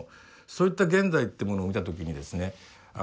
そういった現代ってものを見た時にですね